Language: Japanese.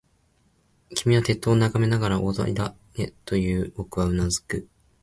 君は鉄塔を眺めながら、終わりだね、と言う。僕はうなずく。